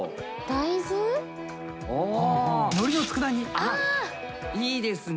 あっいいですね